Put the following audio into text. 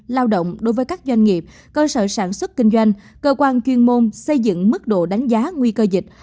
lao động đối với các doanh nghiệp cơ sở sản xuất kinh doanh cơ quan chuyên môn xây dựng mức độ đánh giá nguy cơ dịch